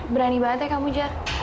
berani banget ya kamu jar